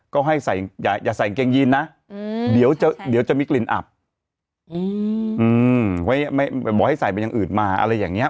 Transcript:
ก็ให้ใส่อย่าใส่กางเกงยีนนะเดี๋ยวจะมีกลิ่นอับบอกให้ใส่เป็นอย่างอื่นมาอะไรอย่างนี้